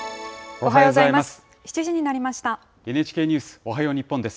おはようございます。